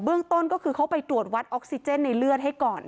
ต้นก็คือเขาไปตรวจวัดออกซิเจนในเลือดให้ก่อน